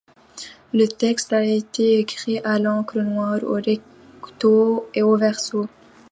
Le texte a été écrit à l'encre noire au recto et au verso.